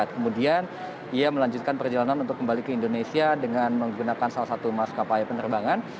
kemudian ia melanjutkan perjalanan untuk kembali ke indonesia dengan menggunakan salah satu maskapai penerbangan